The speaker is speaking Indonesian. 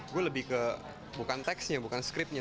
gue lebih ke bukan teksnya bukan scriptnya